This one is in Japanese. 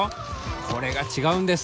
これが違うんです。